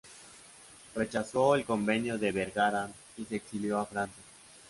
Rechazó el convenio de Vergara y se exilió a Francia.